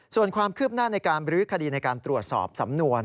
ส่วนความคืบหน้าในการบรื้อคดีในการตรวจสอบสำนวน